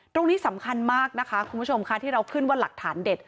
ตรงนี้สำคัญมากนะคะคุณผู้ชมค่ะที่เราขึ้นว่าหลักฐานเด็ด